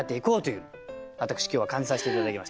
私今日は感じさせて頂きました。